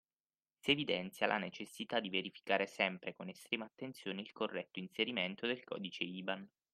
Si evidenzia la necessità di verificare sempre con estrema attenzione il corretto inserimento del codice IBAN.